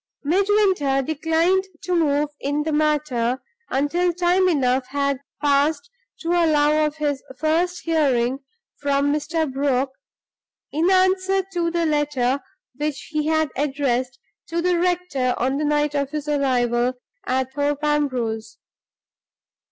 Midwinter declined to move in the matter until time enough had passed to allow of his first hearing from Mr. Brock, in answer to the letter which he had addressed to the rector on the night of his arrival at Thorpe Ambrose.